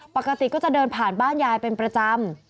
ปกติก็จะเดินผ่านบ้านยายเป็นประจำ